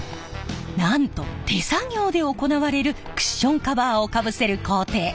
なんと手作業で行われるクッションカバーをかぶせる工程。